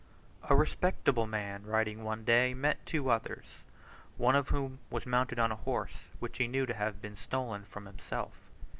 A respectable man riding one day met two others, one of whom was mounted on a horse, which he knew to have been stolen from himself.